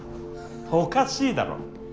おかしいだろ。